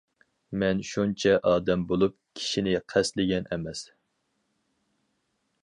مەن شۇنچە ئادەم بولۇپ، كىشىنى قەستلىگەن ئەمەس.